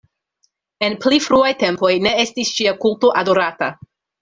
En pli fruaj tempoj ne estis ŝia kulto adorata.